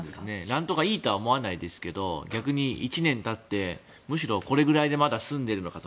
乱闘がいいとは思いませんが、逆に１年たってむしろこれぐらいでまだ済んでいるのかと。